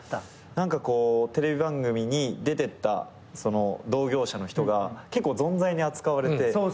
何かこうテレビ番組に出てった同業者の人が結構ぞんざいに扱われて。